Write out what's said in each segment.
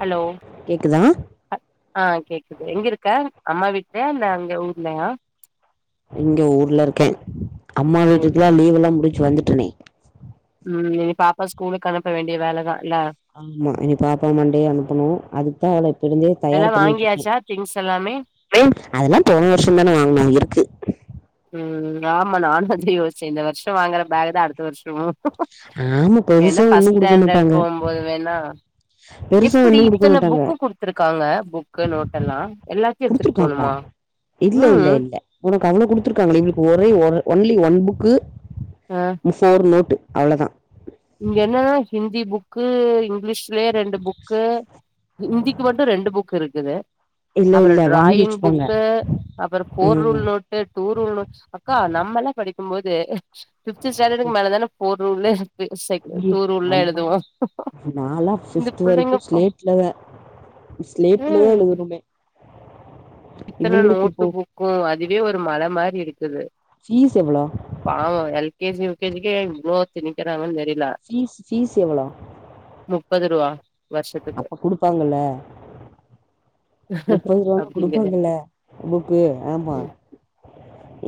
Hello கேக்குதா ஹ ஆ கேக்குது எங்க இருக்க அம்மா வீட்லயா இல்ல இங்க ஊர்லயா எங்க ஊர்ல இருக்க அம்மா ஊர்ல வீட்டுக்குலா லீவ் எல்லா முடிஞ்சு வந்துட்டனே ம் இனி பாப்பா ஸ்கூலுக்கு அனுப்ப வேண்டிய வேலதா இல்ல ஆமா இனி பாப்பா மண்டேய அனுப்பணு அதுக்குதா அவள இப்ப இருந்தே எல்லா தயார் பண்ணிட்ருக்க வாங்கியாச்சா திங்ஸ் எல்லாமே ஏ அதெல்லா போன வருஷோ தானே வாங்குனோ இருக்கு ம் ஆமா நானு அதா யோசிச்ச இந்த வருஷோ வாங்குற பேக் தா அடுத்த வருஷமு ஆமா வேனா பெருசா ஒண்ணு பஸ்ட் குடுக்க ஸ்டண்டர்ட் மாட்டாங்க போகுபோது வேணா பெருசா எப்படி ஒண்ணு குடுக்க இத்தன மாட்டாங்க புக்கு குடுத்துருக்காங்க புக்கு நோட எல்லா எல்லாத்தையு எடுத்துட்டு குடுத்துருக்காங்களா போணுமா இல்ல இல்ல ம் இல்ல உனக்கு அவ்ளோ குடுத்துருக்காங்களே எங்களுக்கு ஒரே ஒரு ஒன்லி ஒன் புக்கு அ ஃபோர் நோட்டு அவ்ளதா இங்க என்னன்னா ஹிந்தி புக்கு இங்லீஷ் இதுவே ரெண்டு புக்கு ஹிந்திக்கு மட்டு ரெண்டு புக் இருக்குது இல்ல அப்றோ இல்ல வாங்கி ட்ராயிங் வச்சுப்பாங்க புக்கு அப்புறோ போர் ரூல் ம் நோட் டூ ரூல் நோட் அக்கா நம்மல்ல எல்லாம் படிக்கும் போது ஃபித்து ஸ்டண்டர்டுக்கு மேலதான போ்த் ருலே அதுவு நம்ம நாலா இந்த பிப்த்து புள்ளைங்க வரைக்கு பா ஸ்லேட்ல ஸ்லேட்லே ம் எழுதனுமே இத்தன நோட்டு இப்போ புக்கு அதுவே ஒரு மல மாரி இருக்குது பீஸ் எவ்வளோ பாவு எல் கேஜி யு கேஜி கே ஏ இவ்ளோ திணிக்குறாங்கன்னு தெரில பீஸ் பீஸ் எவ்வளோ முப்பது ரூவா வருஷத்துக் அப்ப குடுப்பாங்கல முப்பது ரூபனா அப்டிங்கிற குடுப்பீங்கல்ல இன்னிக்கி ஆமா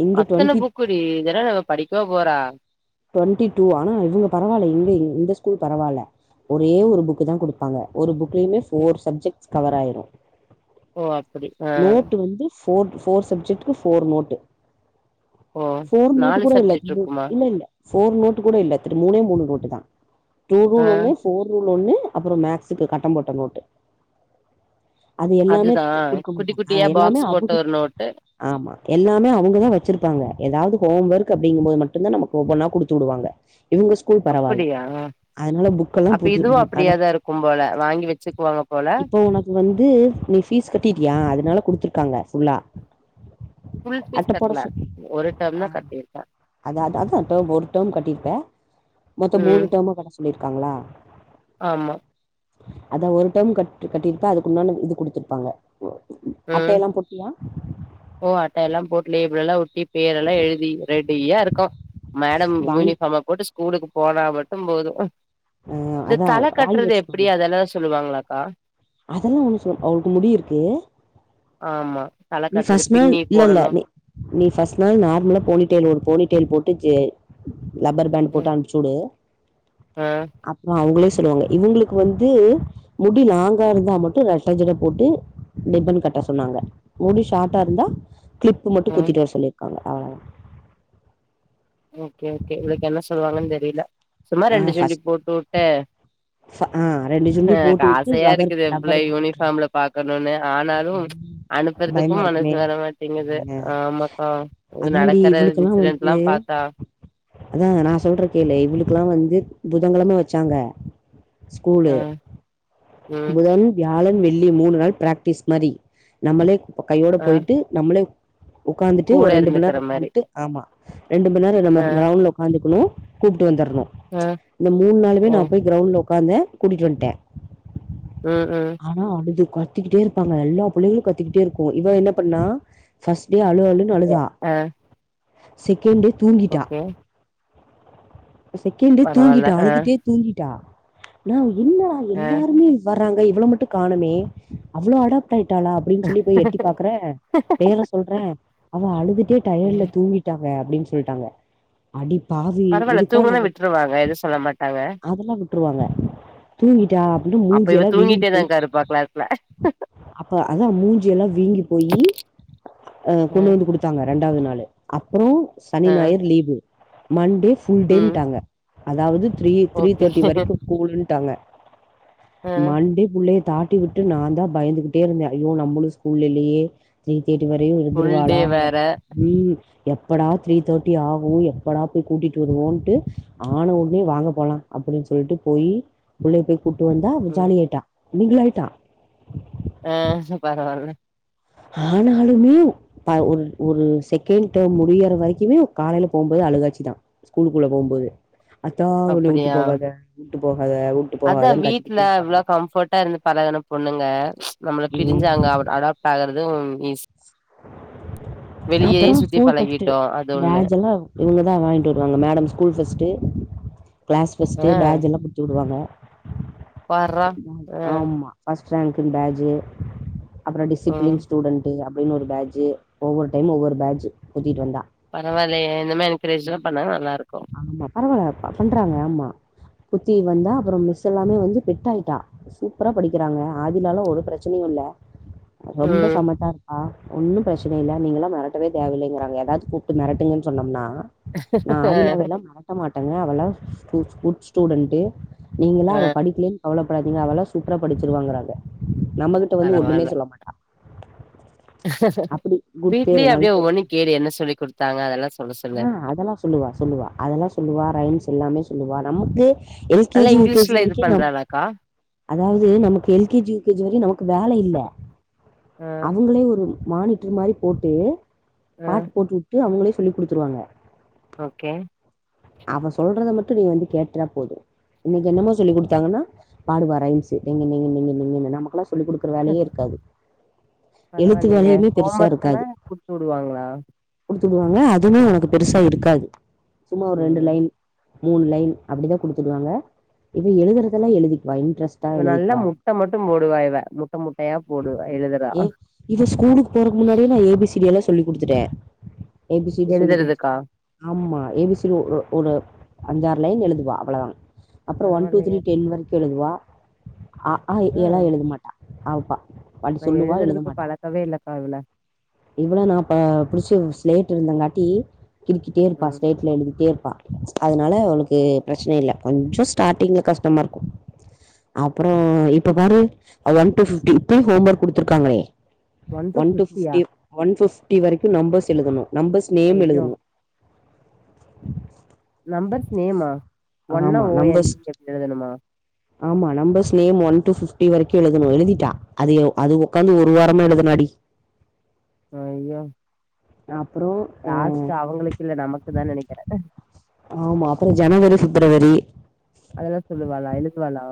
இங்க டொண்டி குடி இதெல்லா இவ படிக்கவா போறா ட்வெண்ட்டி டூ ஆனா இவங்க பரவால்ல இங்க இந்த ஸ்கூல் பரவால்ல ஒரே ஒரு புக்கு தா குடுப்பாங்க ஒரு புக்லயுமே போர் சப்ஜெக்ட்ஸ் கவர் ஆய்ரு ஓ அப்படி நோட்டு வந்து ஃபோர் ஃபோர் சப்ஜெக்ட்கு ஃபோர் நோட்டு ஓ ஃபோர் நோட்டு நாலு கூட இல்ல சப்ஜெக்ட் இருக்குமா இல்ல இல்ல ஃபோர் நோட் கூட இல்ல த்ர மூணே மூணு நோட்டு் தா டூ ரூல் ஆ ஒன்னு ஃபோர் ரூல் ஒண்ணு அப்புறோ மக்ஸுக்கு கட்டம் போட்ட நோட்டு அது எல்லாமே அதுதான் குட்டி அ குட்டியா எல்லாமே பாக்ஸ் போட்ட அபகு ஒரு நோட்டு ஆமா எல்லாமே அவங்கதா வச்சிருப்பாங்க ஏதாவது ஹோம் ஒர்க் அப்படிங்கு போது மட்டுந்தா நமக்கு ஒவ்வொன்னா குடுத்து விடுவாங்க இவங்கஸ் அப்படியா எல்லா அப்ப புது இதுவு ஆனா அப்படியாதா இருக்கும் போல வாங்கி வெச்சுக்குவாங்க போல இப்போ உனக்கு வந்து நீ ஃபீஸ் கட்டிட்டியா அதனால குடுத்துருக்காங்க ஃபுல்லா ஃபுல் ஃபீஸ் கட்ல ஒரு டேம்தா கட் அத அதா அதுதா இப்ப ஒரு டேம் கட்டிருப்ப மொத்தோ ம் மூணு டேமு கட்ட சொ ல்லிருக்காங்களா ஆமா அதா ஒரு டேம் க கட்டிருப்ப அதுக்கு உண்டான இது குடுத்திருப்பாங்க ம் அட்டையெல்லாம் போட் டியா ஓ அட்ட எல்லாம் போட்டு லேபிள் எல்லா ஒட்டி பேரெல்லா எழுதி ரெடியா இருக்கு மேடம் வாங்கி யூனிஃபாம போட்டு ஸ்கூலுக்கு போனா மட்டும் போது ஆ இந்த அதா தல வாங்கி கட்றது எப்படி வச்சுக்கோங்க அதெல்லா சொல்லுவாங்களாக்கா அதெல்லா ஒண்ணு சொ அவளுக்கு முடி இருக்கு ஆமா தல நீ கட்டுறது ஃபஸ் நாள் பின்னி இல்ல இல்ல போடணும் நீ நீ பஸ்ட் நாள் நார்மலா போனி டைல் ஒரு ஒரு போனி டைல் போட்டு ஜெ லப்பரு பேண்டு போட்டு ம் அனுப்ச் சுடு ஆ அப்புற அவுங்களே சொல்லுவாங்க இவங்களுக்கு வந்து முடி லாங் கா இருந்தா மட்டு ரெட்ட ஜட போட்டு ரிப்பனு கட்ட சொன்னாங்க முடி ஷாட்டா இருந்தா க்ளிப் மட்டு ம் குத்திட்டு வர சொல்லிருக்காங்க அவளதா ஓகே ஓகே இவளுக்கு என்ன சொல்லுவாங்கன் தெரில சும்மா ஆ ரெண்டு ஜுண்டி ஃபர்ஸ்ட் போட்டு வுட்டு ஃப ஆ ரெண்டு அ சுண்டி எனக் போட்டு வுட்டு ஆசையா ரப்பர் இருக்குது எ ரப்பர் பிள்ளையா போட்டு வுட்ரு யூனிபாம்ல பாக்கணுனு ஆனாலும் ம் பயமா அனுப்புறதுக்கும் மனசு இருக்குமே வரமாட்டிங்கிது ஆ ஆமாக்கா அதாண்டி நடக்கற இவளுக்கெல்லா வந்து இன்சிடெண்ட்லா பா தா அதா நா சொல்ற கேளு இவளுக்ல்லா வந்து புதங்கெழம வெச்சாங்க அ ஸ்கூலு ம் புதன் வியாழன் வெள்ளி மூணு நாள் ப்ராக்டிஸ் மாரி நம்மளே கையோட அ போயிட்டு நம்மளே உக்காந்துட்டு கூட ஒரு ரெண்டு மண் இருந்துக்கிற நேரோ மாரி உக்காந்ட்டு ஆமா ரெண்டு மண் நேர நம்ம அ க்ரௌண்ல உககாந்துக்கணு கூப்ட்டு வந்தரணு அ இந்த மூணு நாளுமே ஓ நா போய் க்ரௌண்ல உக்காந்த கூட்டிட்டு வந்ட்டே ம் ம் ஆனா அழுது கத்தக்கிட்டே இருப்பாங்க எல்லா பிள்ளைகளு கத்தக்கிட்டே இருக்கு இவ என்ன பண்ணா ஃபஸ் டே அழு எ அழுன்அழுதா அ செகெண் டே தூங்கிட்டா ஓகே செகெண்டே பரவால்ல தூங்கிட்டா அ அழுதுட்டே தூங்கிட்டா நா என்னடா அ எல்லாருமே வராங்க இவள மட்டு காணமே அவ்வளோ அடாப்ட்டாய்ட்டாளா அப்படின் சொல்லி போய் எட்டி பாக்குறே பேர்லா சொல்ற அவ அழுதுட்டே டயட்ல ம் தூங்கிட் டாங்க அப்படின் சொல்ட்டாங்க அடி பாவி பரவால்ல இதுக்கா தூங்குனா நானு விட்ருவாங்க எதுவு சொல்ல மாட்டாங்க அதெல்லா விட்ருவாங்க தூங்கிட்டா அப்டினு அப்ப இவ மூஞ்சியெல்லா வீங்கி போயி தூங்கிட்டேதாக்கா [unintelligible] அப்ப அதா மூஞ்சியெல்லா வீங்கி போயி ஆ கொண்டு ம் வந்து குடுத்தாங்க ரெண்டாவது நாளு அப்புறோ சனி அ ஞாயர் லீவு மண்டே ம் ஃபுல்டேன்டாங்க அதாவது த்ரீ த்ரீ ஓகே தேட்டி வரைக்கு ஸ்கூலுன்ட்டாங்க அ மண்டே புள்ளைய தாட்டி விட்டு நா தா பயந்துகிட்டே இருந்தே ஐயோ நம்மளு ஸ்கூல்ல இல்லயே த்ரி தேட்டி வரையு ஃபுல் டே இருந்திருவாளா எ வேற ம் எப்படா த்ரீ தேட்டி ஆகோ எப்படா போய் கூட்டிட்டு வருவோன்ட்டு ஆன உட்னே வாங்க போலா அப்படி சொல்ட்டு போயி புள்ளைய போய் கூட்டு வந்தா அவ ம் ஜாலியாய்ட்டா மிங்களாய்ட்டா ஆ பரவால்ல ஆனாலுமே ப ஒரு ஒரு செகண்ட் டேம் முடியிற வரைக்கிமே காலைல போம்போது அழுகாச்சிதா. ஸ்கூலுக்குள்ள போம்போது ஆத்தா உள்ளயே உட்டு அப்டியா போகாத உட்டு போகாத உ அதா வீட்ல இவ்ளோ கம்ஃபட்டா இருந்து பழகன பொண்ணுங்க நம்மள பிரிஞ்சு அங்க ம் அவ்டு அடா டாகறதும் ஈசி அப்புறோ சுத்தி ஸ்கூல் ஃபஸ்டு. பழகிட்டோ அது ஒண்ணு பேட்ஜ் எல்லா இவுங்கதா வாய்ங்ட்டு வருவாங்க madam school first. Class first ஆ பேஜ் எல்லா குத்தி உடுவாங்க பார்றா ஆ [unintelligible] ஆமா. ஃபஸ்ட் ரேங்க்குன் பேஜு அப்புறோ ம் டிசிப்ளின் ஸ்டூடண்டு அப்டின் ஒரு பேஜு. ஒவ்வொரு டைமு ஒவ்வொரு பேஜு குத்திட்டு வந்தா. பரவால்லயே இந்த மாரி என்கரேஜ்லாம் பண்ணா நல்லாரு ஆமா பரவால ப பண்றாங்க ஆமா குத்தி வந்தா அப்புறோ மிஸ் எல்லாமே வந்து பெட்டாயிட்டா. சூப்பரா படிக்கிறாங்க ஆதிலால ஒரு பிரச்சினியு இல்ல ரொம்ப ம் சமத்தாருப்பா. ஒன்னும் பிரச்சன இல்ல நீங்கள்லா மெரட்டவே தேவையில்லைங்கறாங்க எதாவ்து கூப்ட்டு மெரட்டுங்கன் சொன்னம்னா அ. மரட்ட மாட்டங்க அவள்லா குட் குட் ஸ்டூடண்டு நீங்களா ஆ அவ படிக்லின் கவலபடாதிங்க அவள்லா சூப்பரா படிச்சிருவாங்கறாங்க நம்மகிட்ட வந்து ஒன்னுமே சொல்ல மா அப்டி குட் பேரு வீட்லியு நல்ல அப்டியே பேரு ஒவ்வொன்னு கேளு என்ன சொல்லி குடுத்தாங்க அதெல்லா சொல்ல சொல்லு. ஆ அதெல்லா சொல்லுவா சொல்லுவா அதெல்லா சொல்லுவா ரைம்ஸ் எல்லாமே சொல்லுவா நமக்கு எல் கே நல்லா ஜி, யூ கே ஜி இங்கிலீஷ்ல இது வரைக்கு நமக் பண்றாளாக்கா அதாவ்து நமக்கு L K G, U K G வரையு நமக்கு வேலை இல்ல. ஆ அவுங்களே ஒரும் மானிட்ர் மாரி போட்டு ஆ பாட்டு போட்டு உட்டு அவுங்களே சொல்லி குடுத்துருவாங்க. ஓகே. அவ சொல்றத மட்டு நீ வந்து கேட்டா போது. இன்னிக்கு என்னம்மா சொல்லி குடுத்தாங்கன்னா பாடுவா ரைம்ஸு டிங்கிடிங்கிடிங்கிடிங்கின்னு நமக்குலாஸ் சொல்லி குடுக்கற வேலையே இருக்காது. எழுத்து பரவால்லையே வேலையுமே ஹோம் பெருசா ஒர்க் எல்லா இருக்காது குட்த்துடுவாங்களா? குடுத்துடுவாங்க அதுனா உனக்கு பெருசா இருக்காது சும்மா ஒரு ரெண்டு ம் லைன் மூன் லைன் அப்டிதா குடுத்துடுவாங்க இது எழுதுறதெல்லா எழுதிக்வா இன்ட்ரெஸ் இவ நல்லா முட்ட மட்டும் போடுவா இவ முட்ட முட்டையா போடுவ எழுதறா. ஏ இவ ஸ்கூலுக்கு போறக்கு முன்னாடியே நா ஏ பி சி டி எல்லா சொல்லி குடுத்துட்டே. ஏ பி சி டி சொல்லி எழுதுறதுக்கா குடுத்துட்டே. ஆமா ஏ பி சி டி ஒரு ஒரு அஞ்சாறு லைன் எழுதுவா அவ்ளதா. அப்புறோ ஒன் டூ த்ரீ பரவாயில்லையே டென் வரைக்கு எழுதுவா. அ ஆ இ ஈ எல்லா ம் எழுதமாட்டா. அவுப்பா நா எழுதுறதுக்கு பழக்கவே இல்லக்கா இவள. இவ்ள நா ப புடிச்சு ஸ்லேட் எழுதங்காட்டி கிருக்கிட்டே இருப்பா ம் ஸ்லேட்ல எழுதிட்டேருப்பா. அதுனால அவுளுக்கு பிரச்சனை இல்ல கொஞ்ச ஸ்டாட்டிங்ல கஷ்டமாருக்கு. அப்புறோ இப்ப பாரு அது ஒன் டூ ஃபிஃப்டி இப்பியு ஹோம் ஒர்க் குடுத்துருக்காங்களே. One two fifty one fifty வரைக்கு நம்பஸ் எழுதுணு நம்பஸ் நேம் ஐயோ எழுதுணு. நம்பர்ஸ் நேமா ஒன்னா ஆமா ஓ என் நம்பர்ஸ் இ அப்டி எழுதணுமா? ஆமா numbers name one two fifty வரைக்கு எழுதணு எழுதிட்டா. அதயு அது ஒக்காந்து ஒரு வாரமா எழுதுனாடி. அய்யோ. அப்புறோ அ டாஸ்க்கு அவங்களுக்கு இல்ல நமக்கு தா நனைக்கிற ஆமா அப்பற ஜனவரி பிப்ரவரி அதெல்லா சொல்லுவாளா எழுதுவாளா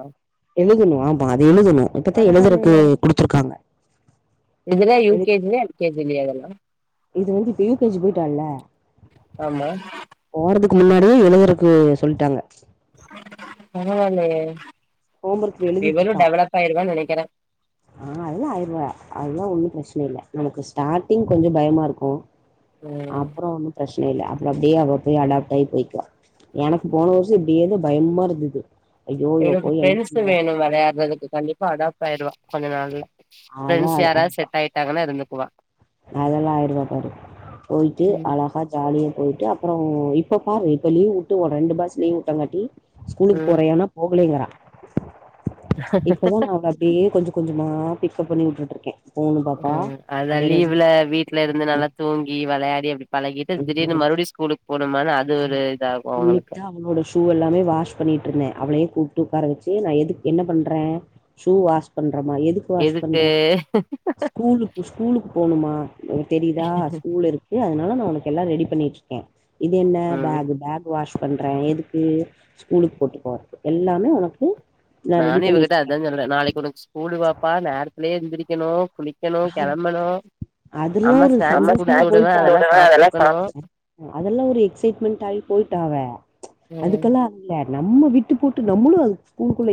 எழுதணு ஆமா அது எழுதணு இப்பத்தா எழுதறக்கு பரவாயில்லையே குடுத்துருக்காங்க இதெல்லா யூ கே ஜி யா எல் கே ஜி லயா அதெல்லா இது வந்து இப்ப யூ கே ஜி போயிட்டால ஆமா போறதுக்கு முன்னாடி எழுதறக்கு சொல்லிட்டாங்க பரவால்லே ஹோம் ஒர்க் இவளு எழுதிட்ருக்கா டெவலப் ஆயிருவான்னு நனைக்கிற ஆ அதெல்லா ஆய்டுவா அதல்லா ஒன்னு பிரச்சன இல்ல நமக்கு ஸ்டார்ட்டிங் கொஞ்சன பயமா இருக்கு ம் அப்புற ஒன்னு பிரச்சன இல்ல அப்புற அப்டியே அவ போய் அடாப்ட் ஆகி போய்குவா எனக்கு போன வருஷ ஏதோ பயமா இருந்தது ஐயோ இவ இவளுக்கு போய் என்ன ஃப்ரெண்ட்ஸு பண்ணுவா வேணு விளையாடுறதுக்கு கண்டிப்பா அடாப்ட் ஆயிடுவா கொஞ்ச நாள்ள ஃபிரெண்ட்ஸ் அதா யாராவது செட் ஆயிட்டாங்கன்னா இருந்துக்குவா அதெல்லா ஆயிருவா பாரு போய்ட்டு ம் அழகா ஜாலியா போயிட்டு அப்புறோ இப்ப பாரு இப்ப லீவ் விட்டு ஒரு ரெண்டு மாசம் லீவ் விட்டங்காட்டி ஸ்கூலுக்கு ம் போறேனா போலேங்றா இப்பதா ந அப்டியே கொஞ்ச கொஞ்சமா பிக்கப் பண்ணி விட்டுட்டு இருக்கே ம் அதா லீவ்ல வீட் வீட்ல இருந்து நல்லா தூங்கி விளையாடி அப்டி பழகிட்டு திடீர்னு மறுபடியு ஸ்கூலுக்கு போனுமானு அது ஒரு இதாகு அவங்களுக்கு இன்னிக்குத்தா அவளோட ஷூ எல்லாமே வாஷ் பண்ணிட்டு இருந்த அவளே கூப்ட்டு உட்க்கார வச்சு நா எதுக்கு என்ன பண்ற ஷூ வாஷ் பண்றமா எதுக்கு வாஷ் பண்ற ஸ்கூலு ஸ்கூலுக்கு போனுமா தெரிதா ஸ்கூல் இருக்கு அதனால நா உனக்கு எல்லா ரெடி பண்ணிட்டு இருக்கே இத என்ன ம் பேக் பேக் வாஷ் பண்ற எதுக்கு ஸ்கூலுக்கு போட்டு போறதுக்கு எல்லாமே உனக்கு நா ரெடி நானு இவகிட்ட பண்ணிட்ருக்கே அதா சொல்ற நாளைக்கு உனக்கு ஸ்கூல் பாப்பா நேரத்துலயே எந்திரிக்கணு குளிக்கணு கெளம்பணு அதெல்லா அம்மா ஒரு ஸ்நாக்ஸ் சமஸ்தா குடுத்து விடுவே போயிட்டு அதெல்லா சாப்ட்டுக்கணு அதெல்லா ஒரு எக்சைட்மெண்ட் ஆயி போயிட்டா அவ ம் அதுக்கெல்லா அழுல நம்ம விட்டு போட்டு நம்மளு அது ஸ்கூல்குள்ள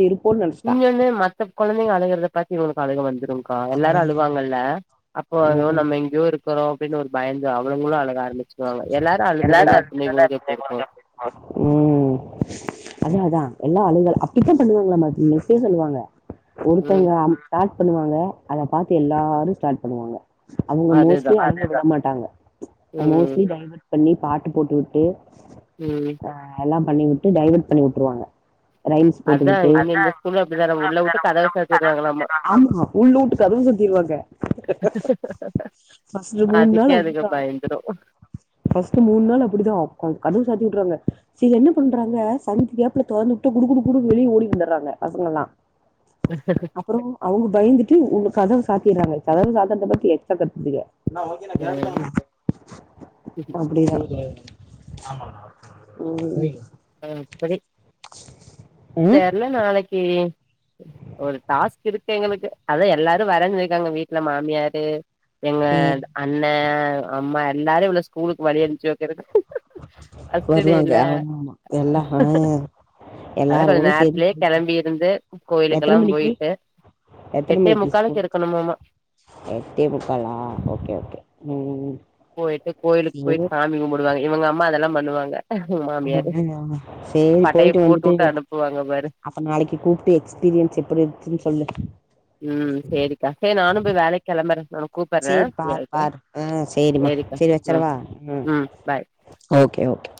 இங்க வந்து மத்த கொந்தைங்க அழுகுறத பாத்த இவுகளுக்கு அழுக வந்துரு ஆ எல்லாரு அழுவாங்கல்ல அப்போ ஐயோ ம் நம்ம எங்கேயோ இருக்கோ அப்டின்னு ஒரு பயந்து அவுளுங்ளு அழுக ஆரம்பிச்சிருவாங்க எல்லாரு அழுதுட்டுகிட்டு இருந்த பிள்ளைகளுக்கு எப்டி இருக்கு ம் அதா அதா எல்லா அழுங்கலா அப்டித்தா பண்ணுவாங்கள மிஸ்சே சொல்லுவாங்க ம். ஒருத்தவங்க ஸ்டார்ட் பண்ணுவாங்க அத பார்த்து எல்லாரு ஸ்டார்ட் பண்ணுவாங்க அவங்க மோஸ்ட்லி அதுதான். அழ விட மாட்டாங்க ம், மோஸ்ட்லி டைவர்ட் பண்ணி பாட்டு போட்டுவிட்டு ம் அ எல்லா பண்ணிவிட்டு டைவேர்ட் பண்ணி விட்டுருவாங்க ரைம்ஸ் போட்டு அதா விட்டு இங்க இந்த ஸ்கூல்ல அப்டி தானாம்மா உள்ள விட்டு கதவ சாத்திடுவாங்கலாம்மா ஆமா உள்ள விட்டு கதுவு சாத்திருவாங்க ஃபஸ்ட்டு மூண் நாள் அதுக்கே அதுங்க அப்டிதா பயந்துரும். ஃபர்ஸ்ட் மூண் நாள் அப்படிதா கதவ சாத்தி விட்டுறாங்க சில என்ன பண்றாங்க சந்துகேப்ல தொறந்து விட்டு குடு குடு குடு வெளிய ஓடி வந்துறாங்க பசங்கள்ளா அப்பறோ அவுங்க பயந்துட்டு உங்க கதவு சாத்திறாங்க கதவு சாத்தறத பத்தி கேக் ம். [unintelligible] அப்படிதா ம் அ அப்பவே ஆ தெர்ல நாளைக்கி ஒரு டாஸ்க் இருக்கு எங்களுக்கு அதா எல்லாரு வர்றன்னு சொல்லிருக்காங்க வீட்டுல மாமியாரு எங்க ஆ அண்ண, அம்மா எல்லாரு இவள ஸ்கூலுக்கு வழி அனுப்ச்சு வெக்கறது. ஃபஸ்ட்டு டே வருவாங்க இல்ல ஆமா எல்லா ஆ அதா கொஞ்சோ எல்லாரோட சேந்து நேரத்துலே போயிக்கலா கெளம்பி இருந்து கோயிலுக்கெல்லா எத்தன மணிக்கு போயிட்டு எத்தன எட்டே மணிக்கு முக்காலுக்கு ஸ்கூல் இருக்கணுமாம்மா. எட்டே முக்காலா. ஓகே ஓகே ம் போயிட்டு கோயிலுக்கு சேரி போயிட்டு சாமி கும்புடுவாங்க. இவங்க அம்மா அதெல்லா பண்ணுவாங்க. மாமியாரு சேரி பட்டைய போயிட்டு வந்துட்டு போட்டுட்டு அனுப்புவாங்க பாரு. அப்ப நாளைக்கு கூப்ட்டு எக்ஸ்பீரியன்ஸ் எப்படி இருந்துச்சுன்னு சொல்லு. ம் சேரிக்கா சே நானு போய் வேலைக்கு கெளம்பற நா உனக்கு கூப் சேரி பாரு, பாரு அ சேரிமா சேரிக்கா சேரி ம் வெச்சரவா. ம். Okay okay